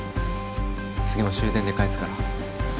次も終電で帰すから。